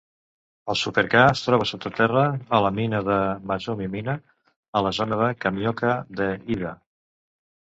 El Super-K es troba sota terra a la mina de Mozumi Mina a la zona de Kamioka de Hida.